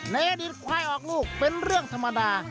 ในอดีตควายออกลูกเป็นเรื่องธรรมดา